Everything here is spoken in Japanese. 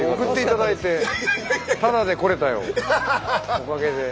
おかげで。